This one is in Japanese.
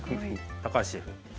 高橋シェフ。